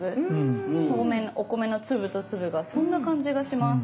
お米の粒と粒がそんな感じがします。